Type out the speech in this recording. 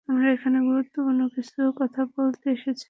আমরা এখানে গুরুত্বপূর্ণ কিছু কথা বলতে এসেছি।